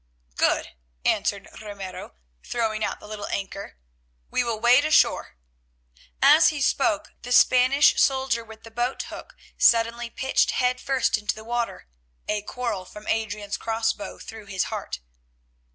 "Good," answered Ramiro, throwing out the little anchor, "we will wade ashore." As he spoke the Spanish soldier with the boat hook suddenly pitched head first into the water, a quarrel from Adrian's crossbow through his heart.